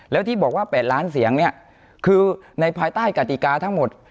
แล้วที่บอกว่า๘ล้านเสียงเนี่ยคือในภายใต้กติกาทั้งหมด